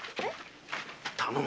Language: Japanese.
頼む。